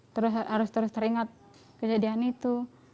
terus harus terus teringat kejadian itu